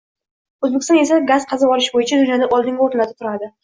O‘zbekiston esa gaz qazib olish bo‘yicha dunyoda oldingi o‘rinlarda turadi.